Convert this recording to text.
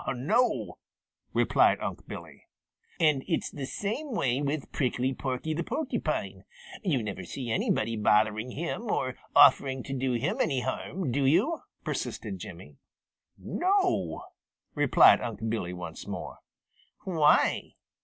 "No," replied Unc' Billy. "And it's the same way with Prickly Porky the Porcupine. You never see anybody bothering him or offering to do him any harm, do you?" persisted Jimmy. "No," replied Unc' Billy once more. "Why?"